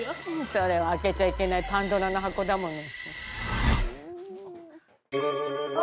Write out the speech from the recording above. それは開けちゃいけないパンドラの箱だもの。